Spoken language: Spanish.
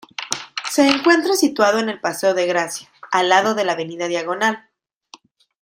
Se encuentra situado en el paseo de Gracia, al lado de la avenida Diagonal.